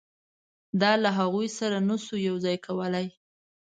دا له هغوی سره نه شو یو ځای کولای.